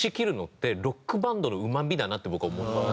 ロックバンドのうまみだなって僕は思う。